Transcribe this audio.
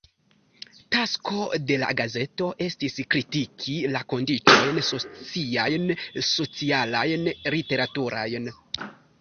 Tasko de la gazeto estis kritiki la kondiĉojn sociajn, socialajn, literaturajn.